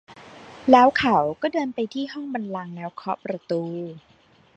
แล้วเขาก็เดินไปที่ห้องบัลลังก์แล้วเคาะประตู